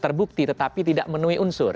terbukti tetapi tidak menuhi unsur